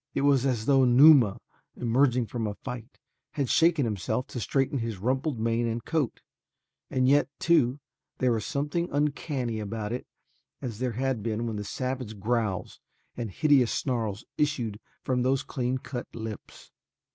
It was as though Numa, emerging from a fight, had shaken himself to straighten his rumpled mane and coat, and yet, too, there was something uncanny about it as there had been when the savage growls and hideous snarls issued from those clean cut lips.